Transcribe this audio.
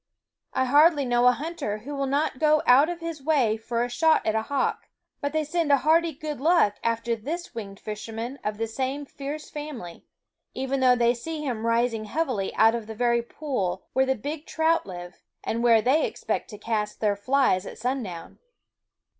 I hardly know a hunter who will not go out of his way for a shot at a hawk; but they send a hearty good luck after this winged fisherman of the same fierce family, even though they see him rising heavily out of the very pool where the big trout live, and where they expect to cast their flies at sundown.